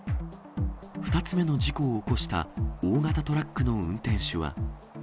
２つ目の事故を起こした大型トラックの運転手は。